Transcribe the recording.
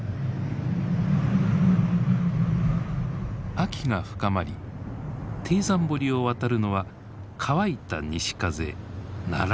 秋が深まり貞山堀を渡るのは乾いた西風ナライ。